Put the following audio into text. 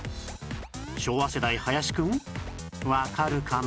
昭和世代林くんわかるかな？